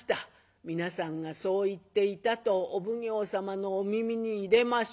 皆さんがそう言っていたとお奉行様のお耳に入れましょう。